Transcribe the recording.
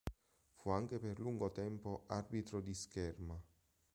Fu anche per lungo tempo arbitro di scherma.